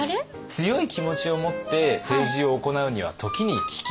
強い気持ちを持って政治を行うには時に聞き流す。